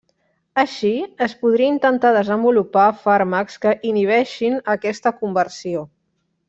Així, es podria intentar desenvolupar fàrmacs que inhibeixin aquesta conversió.